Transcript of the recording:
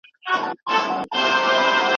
زوی ته په زانګو کي د فرنګ خبري نه کوو